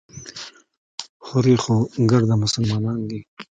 هورې خو ګرده مسلمانان دي.